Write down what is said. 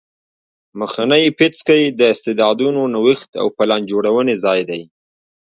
مخنی پیڅکی د استعدادونو نوښت او پلان جوړونې ځای دی